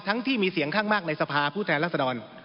ที่มีเสียงข้างมากในสภาผู้แทนรัศดร